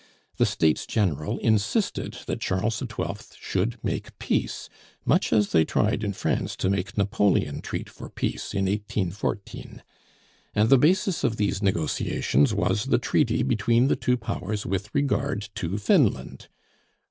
The States General insisted that Charles XII. should make peace (much as they tried in France to make Napoleon treat for peace in 1814) and the basis of these negotiations was the treaty between the two powers with regard to Finland.